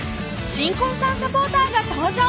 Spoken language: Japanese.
新婚さんサポーターが登場！